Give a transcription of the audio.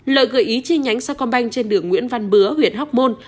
lợi gợi ý chi nhánh sao con banh trên đường nguyễn văn bứa huyện hóc môn